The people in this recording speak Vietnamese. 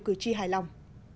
cử tri hài lòng